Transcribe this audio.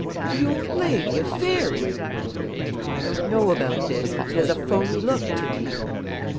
"The old lady a fairy? I don't know about this it has a phony look to me!"